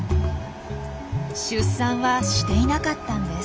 出産はしていなかったんです。